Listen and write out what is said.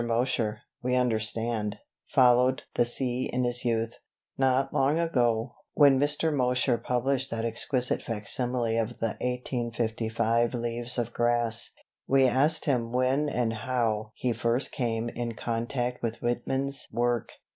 Mosher, we understand, "followed" the sea in his youth. Not long ago, when Mr. Mosher published that exquisite facsimile of the 1855 "Leaves of Grass," we asked him when and how he first came in contact with Whitman's work.